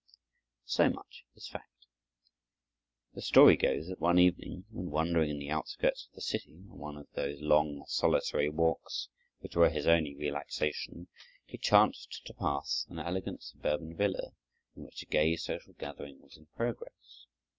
So much is fact. The story goes that one evening, when wandering in the outskirts of the city, on one of those long, solitary walks, which were his only relaxation, he chanced to pass an elegant suburban villa in which a gay social gathering was in progress.